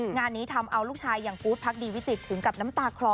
งานนี้ทำเอาลูกชายอย่างกู๊ดพักดีวิจิตถึงกับน้ำตาคลอ